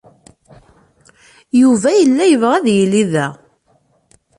Yuba yella yebɣa ad yili da.